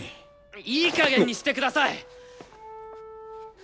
いいかげんにしてください！